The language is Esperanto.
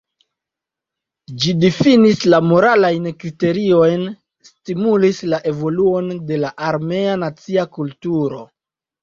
Ĝi difinis la moralajn kriteriojn, stimulis la evoluon de la armena nacia kulturo.